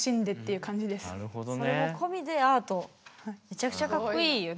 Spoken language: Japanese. めちゃくちゃかっこいいよ。